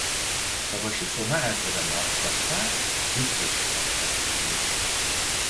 Savaşı sona erdiren antlaşma Bükreş Antlaşması'dır.